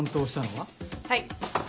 はい。